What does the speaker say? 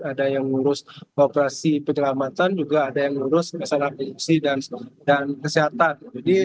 ada yang ngurus operasi penyelamatan juga ada yang ngurus masalah korupsi dan kesehatan